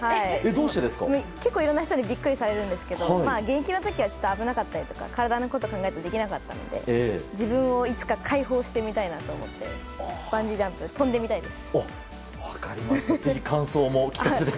いろんな人にビックリされるんですけど現役の時は危なかったりとか体のことを考えてできなかったので自分をいつか開放してみたいなと思ってバンジージャンプ跳んでみたいです。